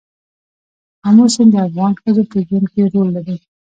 آمو سیند د افغان ښځو په ژوند کې رول لري.